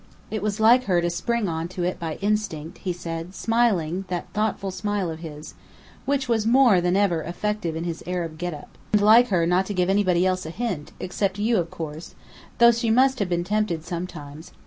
"It was like her to spring on to it by instinct," he said, smiling that thoughtful smile of his, which was more than ever effective in his Arab get up. "And like her not to give anybody else a hint, except you, of course though she must have been tempted sometimes.